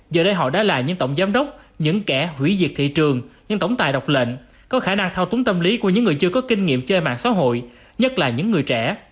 giờ đây họ đã là những tổng giám đốc những kẻ hủy diệt thị trường những tổng tài độc lệnh có khả năng thao túng tâm lý của những người chưa có kinh nghiệm chơi mạng xã hội nhất là những người trẻ